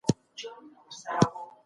یوه څېړنه وروستۍ خبره نه ده.